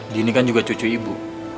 dini kan juga cucu ibu